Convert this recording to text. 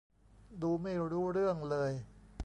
ดูไม่รู้เรื่องเลย